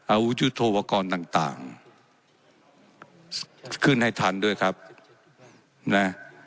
อาวุธโทพกรต่างต่างขึ้นให้ทันด้วยครับน่ะ